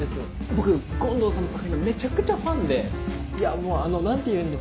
僕権藤さんの作品のめちゃくちゃファンでいやもうあの何て言うんですかね？